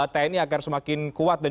tni agar semakin kuat dan